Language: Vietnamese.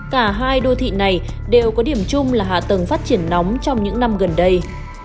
cả hai đô thị này đều có điểm chung là hạ tầng phát triển nóng trong những năm gần đây